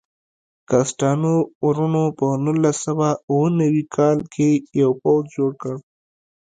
کسټانو وروڼو په نولس سوه اوه نوي کال کې یو پوځ جوړ کړ.